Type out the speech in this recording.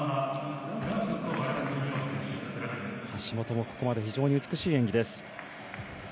橋本もここまで非常にいい演技です。